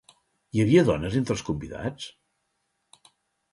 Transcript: Hi havia dones entre els convidats?